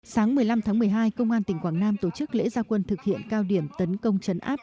sáng một mươi năm tháng một mươi hai công an tỉnh quảng nam tổ chức lễ gia quân thực hiện cao điểm tấn công chấn áp